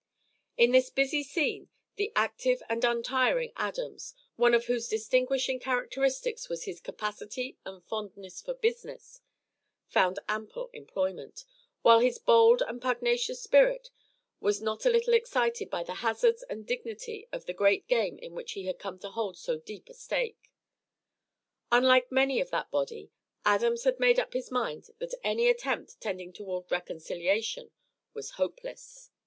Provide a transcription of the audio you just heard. In this busy scene the active and untiring Adams, one of whose distinguishing characteristics was his CAPACITY AND FONDNESS FOR BUSINESS, found ample employment; while his bold and pugnacious spirit was not a little excited by the hazards and dignity of the great game in which he had come to hold so deep a stake. Unlike many of that body, Adams had made up his mind that any attempt tending toward reconciliation was hopeless.